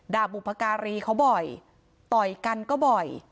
บุพการีเขาบ่อยต่อยกันก็บ่อย